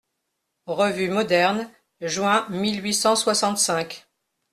REVUE MODERNE, juin mille huit cent soixante-cinq.